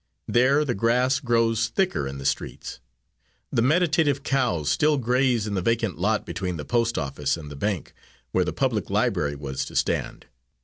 There the grass grows thicker in the streets. The meditative cows still graze in the vacant lot between the post office and the bank, where the public library was to stand.